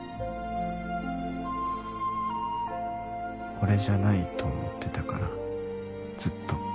俺じゃないと思ってたからずっと。